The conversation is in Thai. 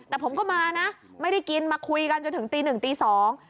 แต่ผมก็มานะไม่ได้กินมาคุยกันจนถึงตีหนึ่งตีสอง